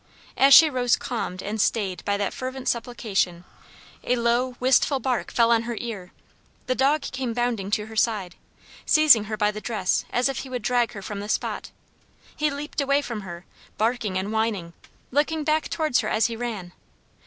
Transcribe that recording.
As she rose calmed and stayed by that fervent supplication a low wistful bark fell on her ear; the dog came bounding to her side; seizing her by the dress as if he would drag her from the spot, he leaped away from her, barking and whining, looking back towards her as he ran.